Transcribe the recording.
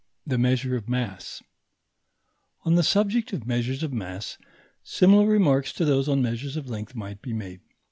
THE MEASURE OF MASS On the subject of measures of mass, similar remarks to those on measures of length might be made.